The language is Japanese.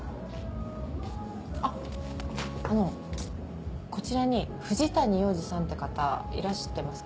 あっあのこちらに藤谷耀司さんって方いらしてますか？